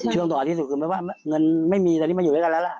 ช่วงต่อที่สุดคือไม่ว่าเงินไม่มีตอนนี้มาอยู่ด้วยกันแล้วล่ะ